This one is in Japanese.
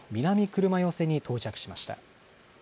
車寄に到着しました。